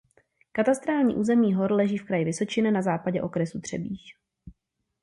Katastrální území Hor leží v kraji Vysočina na západě okresu Třebíč.